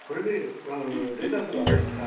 レタスはね